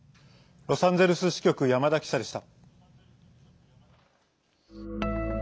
ロサンゼルス支局山田記者でした。